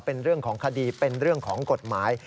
เป็นเรื่องของคดีเป็นเรื่องของกฎหมาย